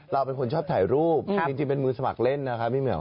เราเป็นคนชอบถ่ายรูปจริงเป็นมือสมัครเล่นนะคะพี่เหี่ยว